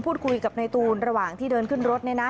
พูดคุยกับในตูนระหว่างที่เดินขึ้นรถ